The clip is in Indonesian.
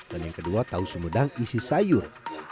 dan yang kedua tahu sumedang isi sayur